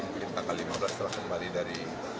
mungkin tanggal lima belas setelah kembali dari